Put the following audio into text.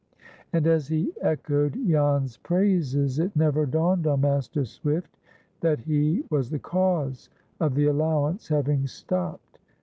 And, as he echoed Jan's praises, it never dawned on Master Swift that he was the cause of the allowance having stopped.